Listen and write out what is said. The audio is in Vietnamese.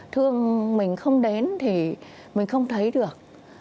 thương mình không đến thì mình không thấy được